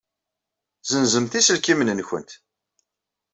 Ssenzemt iselkimen-nwent.